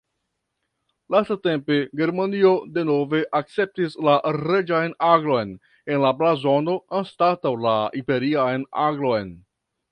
Lastatempe Germanio denove akceptis la reĝan aglon en la blazono anstataŭ la imperian aglon.